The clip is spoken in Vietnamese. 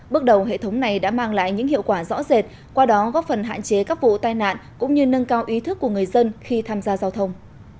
bước đầu hệ thống này đã mang lại những hiệu quả rõ rệt qua đó góp phần hạn chế các vụ tai nạn cũng như nâng cao ý thức của người dân khi tham gia giao thông